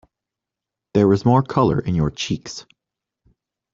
There is more colour in your cheeks.